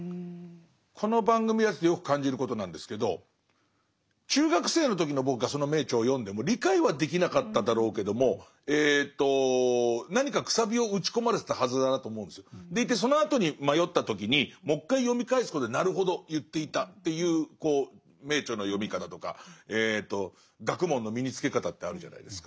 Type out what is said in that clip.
この番組やっててよく感じることなんですけど中学生の時の僕がその名著を読んでも理解はできなかっただろうけどもでいてそのあとに迷った時にもう一回読み返すことでなるほど言っていたっていう名著の読み方とか学問の身につけ方ってあるじゃないですか。